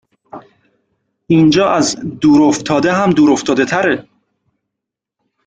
اینجااز دور افتاده هم دور افتاده تره